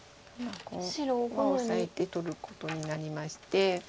ここはオサえて取ることになりまして。